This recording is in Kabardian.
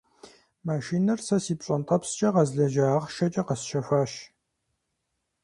Машинэр сэ си пщӀэнтӀэпскӀэ къэзлэжьа ахъшэкӀэ къэсщэхуащ.